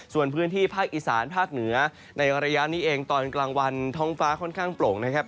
ส่วนพื้นที่ภาคอีสานภาคเหนือในระยะนี้เองตอนกลางวันท้องฟ้าค่อนข้างโปร่งนะครับ